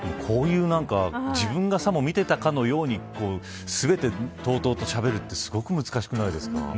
こういう、自分がさも見ていたかのように全てとうとうとしゃべるってすごく難しくないですか。